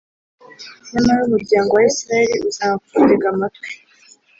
nyamara umuryango wa Israheli uzanga kugutega amatwi